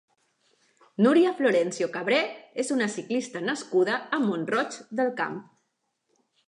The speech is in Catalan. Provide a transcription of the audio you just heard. Núria Florencio Cabré és una ciclista nascuda a Mont-roig del Camp.